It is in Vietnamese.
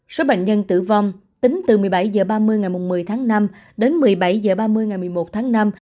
số bệnh nhân tử vong tính từ một mươi bảy h ba mươi ngày một mươi tháng năm đến một mươi bảy h ba mươi ngày một mươi một tháng năm